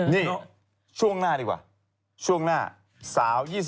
นี่ช่วงหน้าดีกว่าช่วงหน้าสาว๒๐